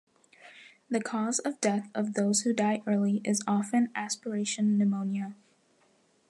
The cause of death of those who die early is often aspiration pneumonia.